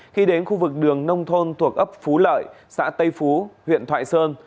khi đến khu vực đường nông thôn thuộc ấp phú lợi xã tây phú huyện thoại sơn